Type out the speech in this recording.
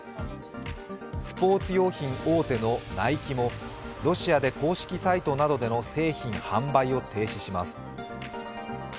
スポーツ用品大手のナイキもロシアで公式サイトなどでの製品販売を停止します。